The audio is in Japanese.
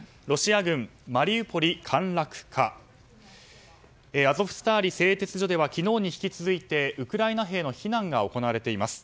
アゾフスターリ製鉄所では昨日に引き続いてウクライナ兵の避難が行われています。